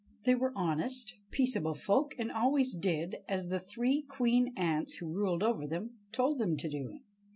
They were honest, peaceable folk, and always did as the three queen ants who ruled over them told them to do.